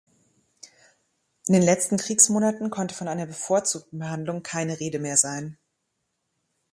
In den letzten Kriegsmonaten konnte von einer „bevorzugten Behandlung“ keine Rede mehr sein.